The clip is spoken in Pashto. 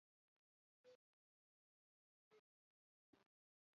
تېر کال احسان الله خان یو کتاب لیکلی و